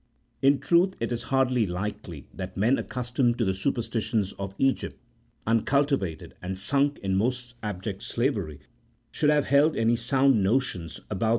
In truth, it is hardly likely that men accustomed to the super stitions of Egypt, uncultivated and sunk in most abject slavery, should have held any sound notions about the CHAP.